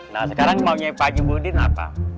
nah sekarang mau nyepa jumuddin apa